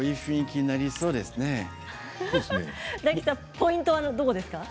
ポイントはどうですか？